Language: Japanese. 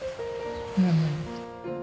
うん。